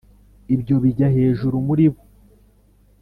Ibyo bijya hejuru muri bo